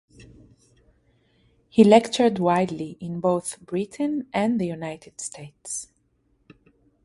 He lectured widely in both Britain and the United States.